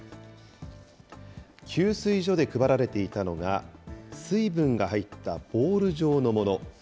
給水所で配られていたのが、水分が入ったボール状のもの。